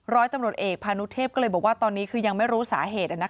ร้อยตำรวจเอกพานุเทพก็เลยบอกว่าตอนนี้คือยังไม่รู้สาเหตุ